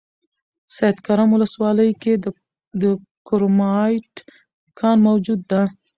سیدکرم ولسوالۍ کې د کرومایټ کان موجود ده